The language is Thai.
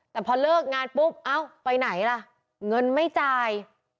แต่พอเลิกงานปุ๊บเอ้าไปไหนล่ะเงินไม่จ่าย